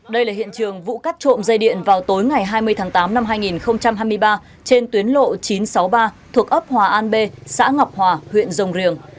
đây là hiện trường vụ cắt trộm dây điện vào tối ngày hai mươi tháng tám năm hai nghìn hai mươi ba trên tuyến lộ chín trăm sáu mươi ba thuộc ấp hòa an b xã ngọc hòa huyện rồng riềng